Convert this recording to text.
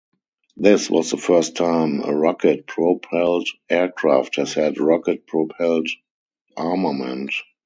This was the first time a rocket propelled aircraft has had rocket propelled armament.